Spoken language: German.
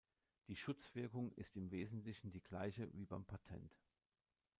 Die Schutzwirkung ist im Wesentlichen die gleiche wie beim Patent.